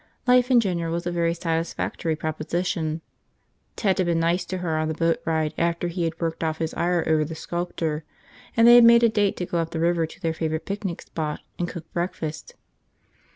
Life in general was a very satisfactory proposition. Ted had been nice to her on the boat ride after he had worked off his ire over the sculptor, and they had made a date to go up the river to their favorite picnic spot and cook breakfast.